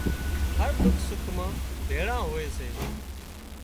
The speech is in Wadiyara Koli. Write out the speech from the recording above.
هر ڏک سُک مان ڀيۯان هوئي سي